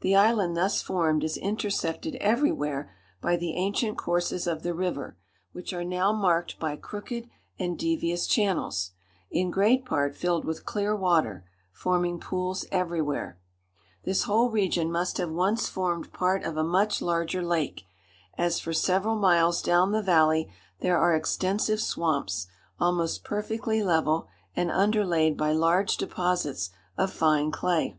The island thus formed is intersected everywhere by the ancient courses of the river, which are now marked by crooked and devious channels, in great part filled with clear water, forming pools everywhere. This whole region must have once formed part of a much larger lake, as for several miles down the valley there are extensive swamps, almost perfectly level and underlaid by large deposits of fine clay.